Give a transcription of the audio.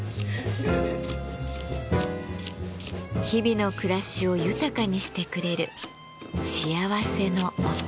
日々の暮らしを豊かにしてくれる幸せの音。